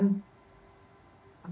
tapi setidaknya sudah diingatkan